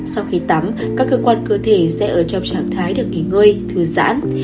sau khi tắm các cơ quan cơ thể sẽ ở trong trạng thái được nghỉ ngơi thư giãn